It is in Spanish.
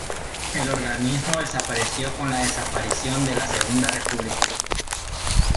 El organismo desapareció con la desaparición de la Segunda República.